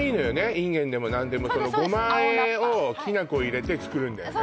インゲンでも何でもゴマ和えをきな粉入れて作るんだよね